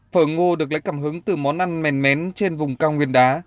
phở ngô được lấy cảm hứng từ món ăn mèn mén trên vùng cao nguyên đá